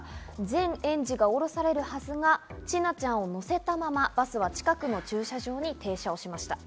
全園児が降ろされるはずが千奈ちゃんを乗せたままバスは近くの駐車場に停車しました。